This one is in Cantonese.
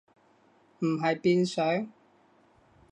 唔係變上？